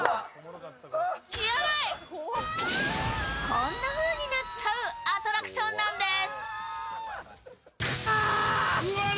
こんなふうになっちゃうアトラクションなんです。